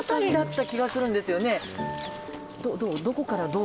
どう？